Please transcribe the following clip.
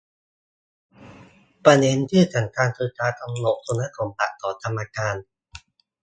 ประเด็นที่สำคัญคือ การกำหนดคุณสมบัติของกรรมการ